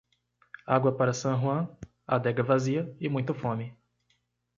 Água para San Juan, adega vazia e muita fome.